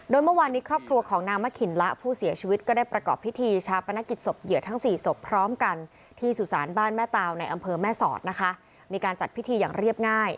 โดยเมื่อวานนี้ครอบครัวของนางมะขินละผู้เสียชีวิตก็ได้ประกอบพิธีชาปนกิจศพเหยื่อทั้งสี่ศพพร้อมกันที่สุสานบ้านแม่ตาวในอำเภอแม่สอดนะคะมีการจัดพิธีอย่างเรียบง่าย